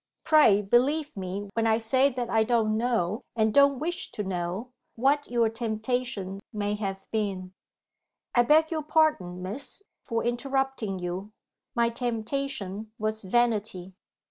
Pray believe me when I say that I don't know, and don't wish to know, what your temptation may have been " "I beg your pardon, Miss, for interrupting you. My temptation was vanity."